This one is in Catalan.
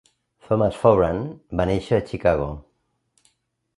Thomas Foran va néixer a Chicago.